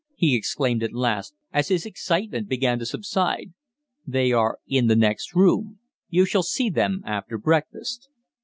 he exclaimed at last, as his excitement began to subside. "They are in the next room. You shall see them after breakfast."